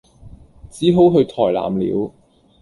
只好去台南了